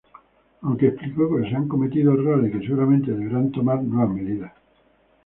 Aunque explicó que se han cometido errores y que seguramente deberán tomar nuevas medidas.